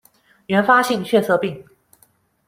原发性血色病